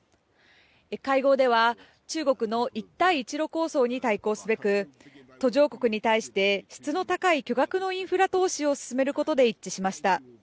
会合では中国の一帯一路構想に対抗すべく途上国に対して質の高い巨額のインフラ投資を進めることで一致しました。